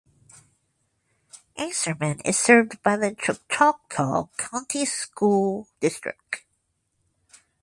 Ackerman is served by the Choctaw County School District.